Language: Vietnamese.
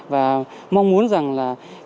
và mong muốn rằng là khi mà các con đi học trực tiếp